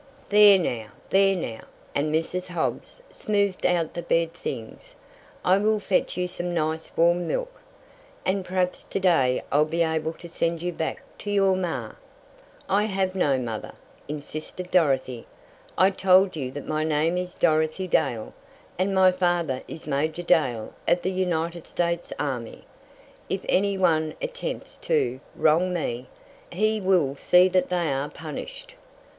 "There now, there now!" and Mrs. Hobbs smoothed out the bed things. "I will fetch you some nice, warm milk. And perhaps to day I'll be able to send you back to your ma." "I have no mother," insisted Dorothy. "I told you that my name is Dorothy Dale, and my father is Major Dale of the United States army. If any one attempts to wrong me, he will see that they are punished."